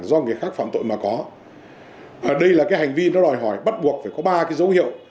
do người khác phạm tội mà có đây là cái hành vi nó đòi hỏi bắt buộc phải có ba cái dấu hiệu